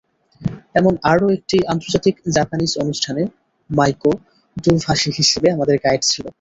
এমন আরও একটি আন্তর্জাতিক জাপানিজ অনুষ্ঠানে মাইকো দোভাষী হিসেবে আমাদের গাইড ছিল।